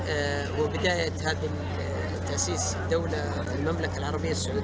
abby detikhabitparce data total mlk arab saud